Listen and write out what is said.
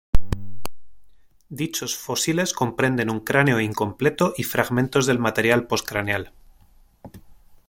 Dichos fósiles comprenden un cráneo incompleto y fragmentos del material postcraneal.